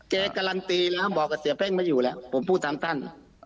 การันตีแล้วบอกกับเสียแป้งไม่อยู่แล้วผมพูดตามท่าน